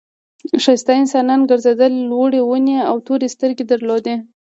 ښایسته انسانان گرځېدل لوړې ونې او تورې سترګې درلودې.